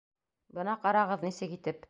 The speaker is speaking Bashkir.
Бына ҡарағыҙ, нисек итеп.